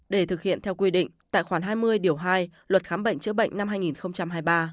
để thực hiện theo quy định tại khoản hai mươi điều hai luật khám bệnh chữa bệnh năm hai nghìn hai mươi ba